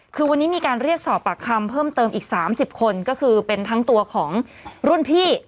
คือวันนี้มีการเรียกสอบปากคำเพิ่มเติมอีก๓๐คนก็คือเป็นทั้งตัวของรุ่นพี่